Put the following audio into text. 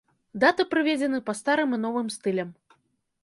Даты прыведзены па старым і новым стылям.